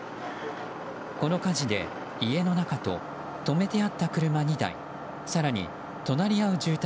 この火事で家の中と止めてあった車２台更に隣り合う住宅